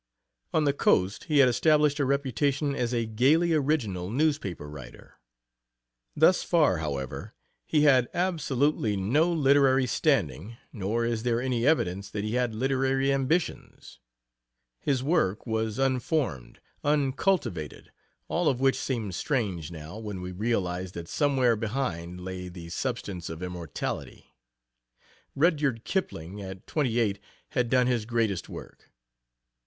On the Coast he had established a reputation as a gaily original newspaper writer. Thus far, however, he had absolutely no literary standing, nor is there any evidence that he had literary ambitions; his work was unformed, uncultivated all of which seems strange, now, when we realize that somewhere behind lay the substance of immortality. Rudyard Kipling at twenty eight had done his greatest work.